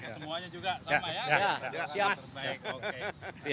semuanya juga sama ya